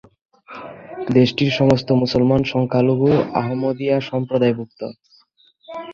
দেশটির সমস্ত মুসলমান সংখ্যালঘু আহমদিয়া সম্প্রদায়ভুক্ত।